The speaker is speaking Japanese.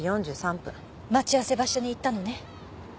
待ち合わせ場所に行ったのね？